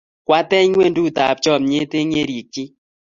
Kwatech ng'wendut ap chomyet eng' yerikchin.